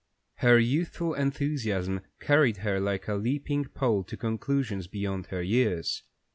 Her youthful enthusiasm carried her like a leaping pole to conclusions beyond her years.